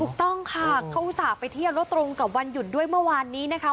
ถูกต้องค่ะเขาอุตส่าห์ไปเที่ยวแล้วตรงกับวันหยุดด้วยเมื่อวานนี้นะคะ